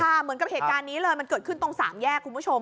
เหมือนกับเหตุการณ์นี้เลยมันเกิดขึ้นตรงสามแยกคุณผู้ชม